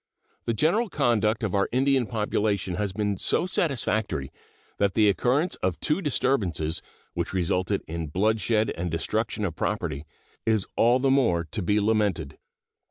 The general conduct of our Indian population has been so satisfactory that the occurrence of two disturbances, which resulted in bloodshed and destruction of property, is all the more to be lamented.